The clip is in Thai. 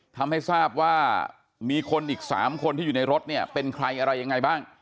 ทำให้ทราบว่ามีคนอีก๓คนที่อยู่ในรถเนี่ยเป็นใครอะไรยังไงบ้าง